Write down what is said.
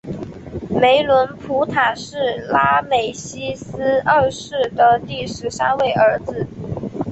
梅伦普塔是拉美西斯二世的第十三位儿子。